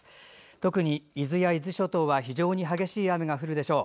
特に伊豆や伊豆諸島は非常に激しい雨が降るでしょう。